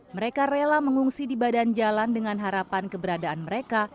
mereka rela mengungsi di badan jalan dengan harapan keberadaan mereka